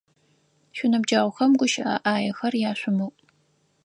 Шъуиныбджэгъухэм гущыӏэ ӏаехэр яшъумыӏу!